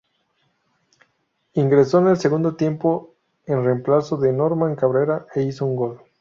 Ingresó en el segundo tiempo en reemplazo de Norman Cabrera, e hizo un gol.